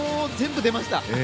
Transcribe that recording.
全部出ました！